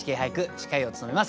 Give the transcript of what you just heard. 司会を務めます